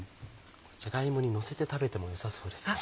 じゃが芋にのせて食べてもよさそうですね。